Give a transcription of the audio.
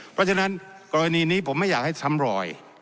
เพราะฉะนั้นกรณีนี้ผมไม่อยากให้ซ้ำรอย